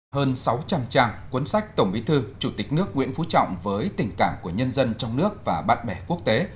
hơn sáu trăm linh trang cuốn sách tổng bí thư chủ tịch nước nguyễn phú trọng với tình cảm của nhân dân trong nước và bạn bè quốc tế